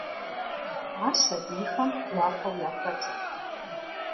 Ар сабийхэм гуапэу яхэтт.